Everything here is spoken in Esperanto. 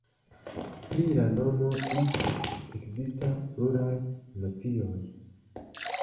Pri la nomo "Ise" ekzistas pluraj nocioj.